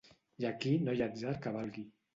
I aquí no hi ha atzar que valgui.